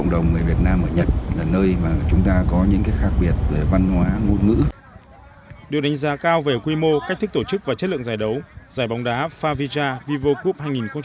điều đánh giá cao về quy mô cách thích tổ chức và chất lượng giải đấu giải bóng đá favija vivo cup hai nghìn một mươi chín